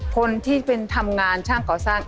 คนที่เป็นทำงานช่างก่อสร้าง